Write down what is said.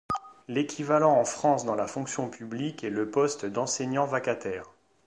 L'équivalent en France dans la fonction publique est le poste d'enseignant vacataire.